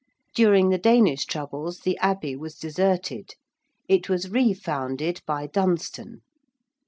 During the Danish troubles the Abbey was deserted. It was refounded by Dunstan.